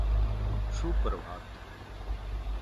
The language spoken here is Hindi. सुप्रभात